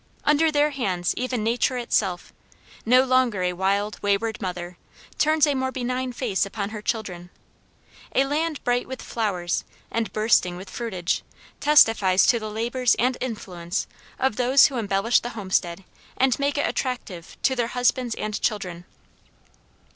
Under their hands even nature itself, no longer a wild, wayward mother, turns a more benign face upon her children. A land bright with flowers and bursting with fruitage testifies to the labors and influence of those who embellish the homestead and make it attractive to their husbands and children.